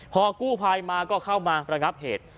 พอกู้ภัยมาก็เข้ามาประงับเหตุ